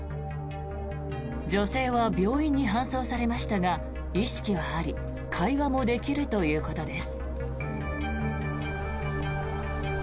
女性は病院に搬送されましたが意識はあり会話もできるということです。